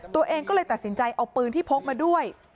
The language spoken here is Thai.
ตัวเองก็เลยตัดสินใจเอาปืนที่พกมาด้วย